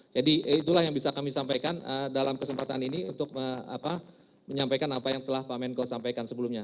jadi itulah yang bisa kami sampaikan dalam kesempatan ini untuk menyampaikan apa yang telah pak menko sampaikan sebelumnya